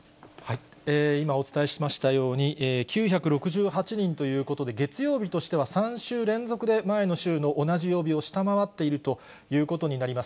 今お伝えしましたように、９６８人ということで、月曜日としては３週連続で前の週の同じ曜日を下回っているということになります。